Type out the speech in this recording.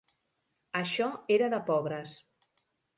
Això era de pobres.